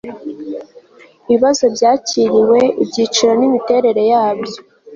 ibibazo byakiriwe ibyiciro n imiterere yabyo